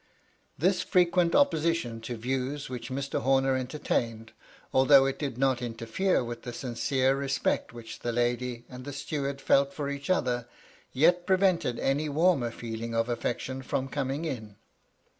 This frequent opposition to views which Mr. Homer entertained, although it did not interfere with the sincere respect which the lady and the steward felt for each other, yet prevented any warmer feeling of affection from coming in.